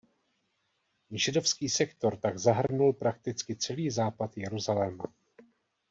Židovský sektor tak zahrnul prakticky celý západ Jeruzaléma.